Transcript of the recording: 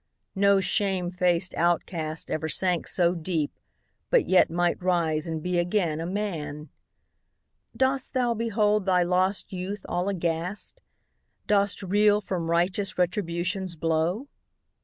No shame faced outcast ever sank so deep, But yet might rise and be again a man ! Dost thou behold thy lost youth all aghast? Dost reel from righteous Retribution's blow?